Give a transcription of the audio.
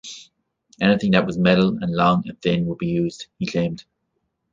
"Anything that was metal and long and thin would be used," he claimed.